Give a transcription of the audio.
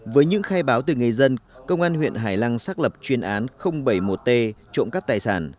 với những khai báo từ người dân công an huyện hải lăng xác lập chuyên án bảy mươi một t trộm cắp tài sản